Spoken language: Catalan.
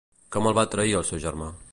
Com el va trair el seu germà?